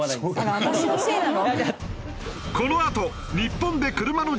あら私のせいなの？